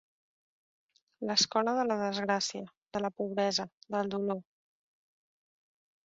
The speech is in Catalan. L'escola de la desgràcia, de la pobresa, del dolor.